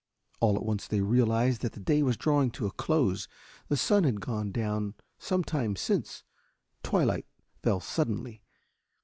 All at once they realized that the day was drawing to a close. The sun had gone down some time since. Twilight fell suddenly.